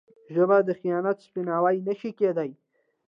ژبه د خیانت سپیناوی نه شي کېدای.